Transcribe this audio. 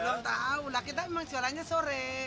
belum tahu lah kita emang jualannya sore